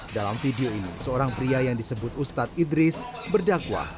dalam video ini seorang pria yang disebut ustadz idris berdakwah